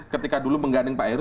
ketika dulu mengganding pak heru